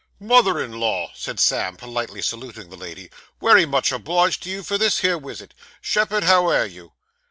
'Mother in law,' said Sam, politely saluting the lady, 'wery much obliged to you for this here wisit. Shepherd, how air you?